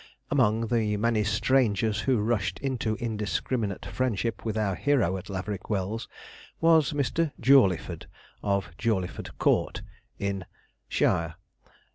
Among the many strangers who rushed into indiscriminate friendship with our hero at Laverick Wells, was Mr. Jawleyford, of Jawleyford Court, in shire.